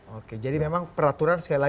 oke jadi memang peraturan sekali lagi